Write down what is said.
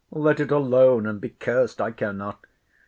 —Let it alone and be curs'd; I care not.